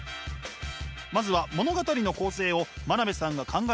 まずは物語の構成を真鍋さんが考えます。